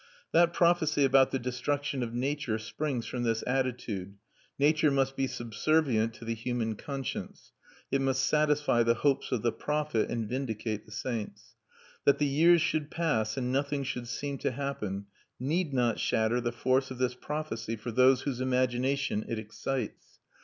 That prophecy about the destruction of nature springs from this attitude; nature must be subservient to the human conscience; it must satisfy the hopes of the prophet and vindicate the saints. That the years should pass and nothing should seem to happen need not shatter the force of this prophecy for those whose imagination it excites.